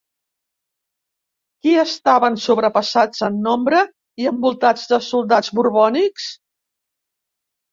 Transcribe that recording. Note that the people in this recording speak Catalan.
Qui estaven sobrepassats en nombre i envoltats de soldats borbònics?